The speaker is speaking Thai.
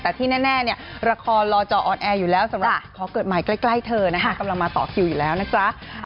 แต่ที่แน่เนี่ยละครรอจออนแอร์อยู่แล้วสำหรับขอเกิดใหม่ใกล้เธอนะคะกำลังมาต่อคิวอยู่แล้วนะจ๊ะ